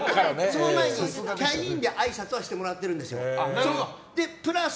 その前にキャインであいさつはしてもらってるんです。